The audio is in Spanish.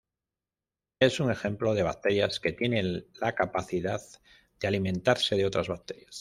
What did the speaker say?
Es un ejemplo de bacterias que tienen la capacidad de alimentarse de otras bacterias.